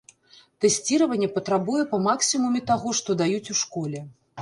Тэсціраванне патрабуе па максімуме таго, што даюць у школе.